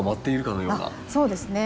そうですね。